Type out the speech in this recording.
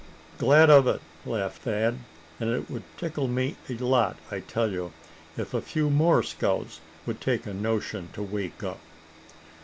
"Glad of it," laughed Thad. "And it would tickle me a lot, I tell you, if a few more scouts would take a notion to wake up."